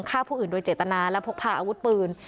ฆ่าผู้อื่นโดยเจตนาและพกพาอาวุธปืน